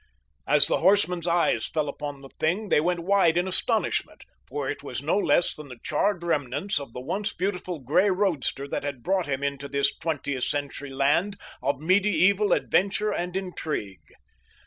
As the horseman's eyes fell upon the thing they went wide in astonishment, for it was no less than the charred remnants of the once beautiful gray roadster that had brought him into this twentieth century land of medieval adventure and intrigue.